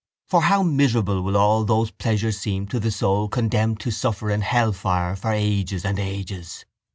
For how miserable will all those pleasures seem to the soul condemned to suffer in hellfire for ages and ages.